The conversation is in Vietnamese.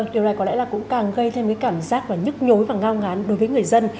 điều này có lẽ cũng càng gây thêm cảm giác nhức nhối và ngao ngán đối với người dân